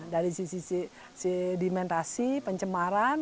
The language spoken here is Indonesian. dari sisi sedimentasi pencemaran